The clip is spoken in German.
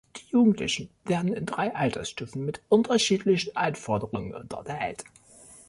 Die Jugendlichen werden in drei Altersstufen mit unterschiedlichen Anforderungen unterteilt.